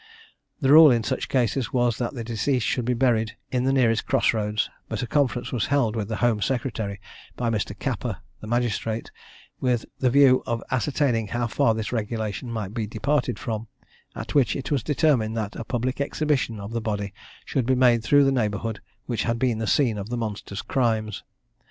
The rule in such cases was that the deceased should be buried in the nearest cross roads, but a conference was held with the Home Secretary by Mr. Capper, the magistrate, with the view of ascertaining how far this regulation might be departed from, at which it was determined that a public exhibition of the body should be made through the neighbourhood which had been the scene of the monster's crimes.